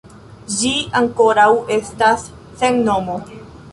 Ĝi ankoraŭ estas sen nomo.